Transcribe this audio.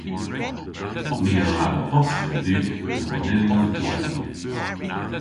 Ni a wra e-bostya dhywgh an manylyon diwettha.